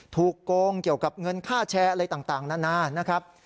โกงเกี่ยวกับเงินค่าแชร์อะไรต่างนานานะครับ